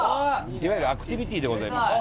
いわゆるアクティビティでございます。